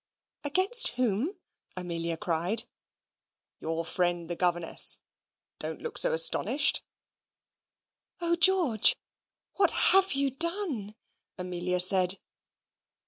"Against whom?" Amelia cried. "Your friend the governess. Don't look so astonished." "O George, what have you done?" Amelia said.